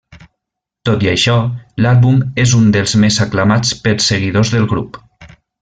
Tot i això, l'àlbum és un dels més aclamats pels seguidors del grup.